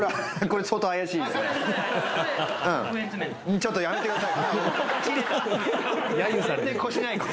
ちょっとやめてください